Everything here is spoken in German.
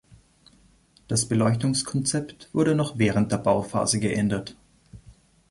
Das Beleuchtungskonzept wurde noch während der Bauphase geändert.